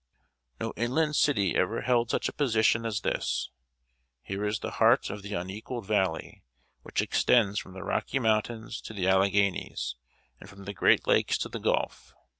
] No inland city ever held such a position as this. Here is the heart of the unequaled valley, which extends from the Rocky Mountains to the Alleghanies, and from the great lakes to the Gulf.